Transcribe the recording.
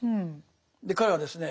彼はですね